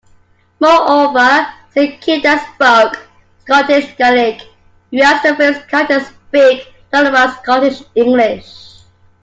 Moreover, Saint Kildans spoke Scottish Gaelic, whereas the film's characters speak modified Scottish English.